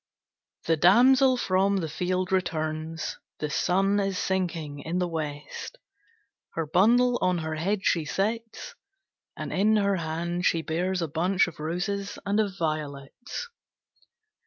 The damsel from the field returns, The sun is sinking in the west; Her bundle on her head she sets, And in her hand she bears A bunch of roses and of violets.